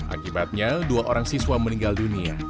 akibatnya dua orang siswa meninggal dunia